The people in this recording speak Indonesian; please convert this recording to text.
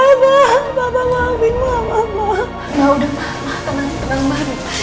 gak udah mama tenang tenang mama